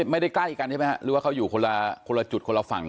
ไม่ได้กล้ายกันใช่ไหมครับหรือว่าเขาอยู่คนละจุดคนละฝั่งกัน